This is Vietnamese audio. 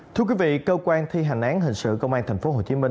thưa quý vị cơ quan thi hành án hình sự công an tp hcm